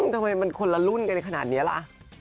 ทำไมมันคนละรุ่นกันขนาดนี้ล่ะ